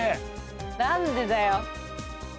何でだよ。